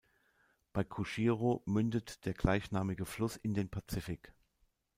Bei Kushiro mündet der gleichnamige Fluss in den Pazifik.